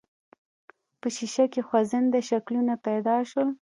په ښيښه کې خوځنده شکلونه پيدا شول.